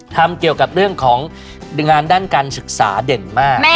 ทำเกี่ยวกับเรื่องของงานด้านการศึกษาเด่นมาก